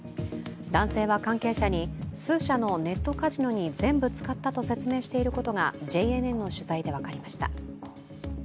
男性は関係者に数社のネットカジノに全部使ったと説明していることがＪＮＮの取材で分かりました。